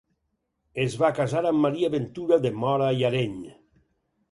Es va casar amb Maria Ventura de Mora i Areny.